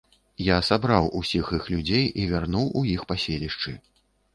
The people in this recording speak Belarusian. Я сабраў усіх іх людзей і вярнуў у іх паселішчы.